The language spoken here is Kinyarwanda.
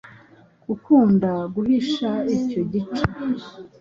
gukunda guhisha icyo gice,